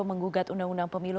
mengugat undang undang pemilu